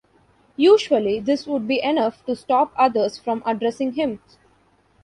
Usually this would be enough to stop others from addressing him.